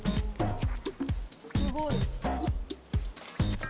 すごい。